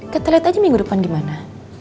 kita lihat aja minggu depan gimana